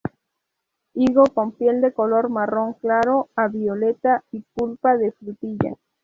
Higo con piel de color marrón claro a violeta y pulpa de frutilla.